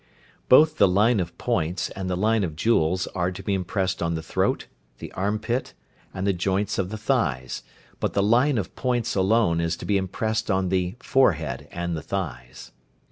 Both the "line of points" and the "line of jewels" are to be impressed on the throat, the arm pit, and the joints of the thighs; but the "line of points" alone is to be impressed on the forehead and the thighs.